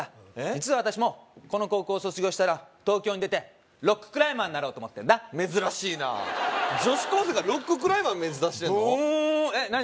実は私もこの高校卒業したら東京に出てロッククライマーになろうと思ってんだ珍しいな女子高生がロッククライマー目指してんのブーンえ何？